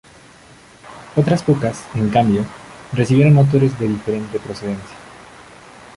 Otras pocas, en cambio, recibieron motores de diferente procedencia.